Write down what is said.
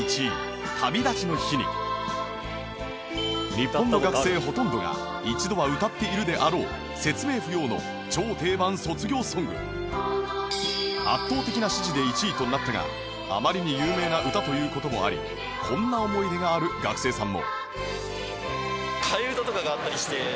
日本の学生ほとんどが一度は歌っているであろう圧倒的な支持で１位となったがあまりに有名な歌という事もありこんな思い出がある学生さんも